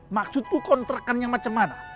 maksudku kontrakan yang macam mana